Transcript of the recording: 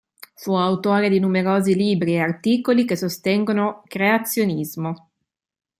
Fu autore di numerosi libri e articoli che sostengono creazionismo.